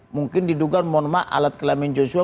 mungkin diduga mohon maaf alat kelamin joshua